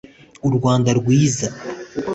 u Rwanda rwiza